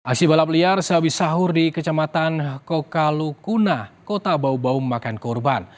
aksi balap liar sehabis sahur di kecamatan kokalukuna kota bau bau memakan korban